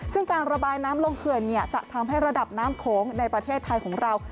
ซึ่งการระบายน้ำลงเขื่อนจะทำให้ระดับน้ำโขงในประเทศไทยของเรา